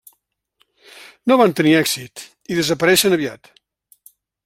No van tenir èxit i desapareixen aviat.